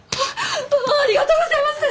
ありがとうごぜいます！